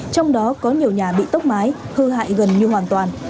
trong đó có nhiều nhà bị tốc mái hư hại gần như hoàn toàn